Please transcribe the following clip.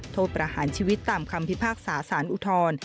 โทษประหารชีวิตตามคำพิพากษาสารอุทธร